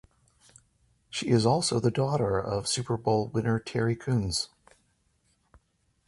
She is also the daughter of Super Bowl winner Terry Kunz.